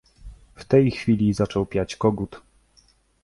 W tej chwili zaczął piać kogut.